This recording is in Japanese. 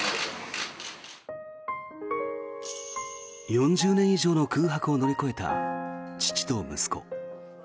４０年以上の空白を乗り越えた父と息子。